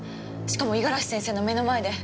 しかも五十嵐先生の目の前で。